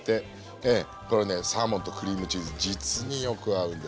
これねサーモンとクリームチーズ実によく合うんです。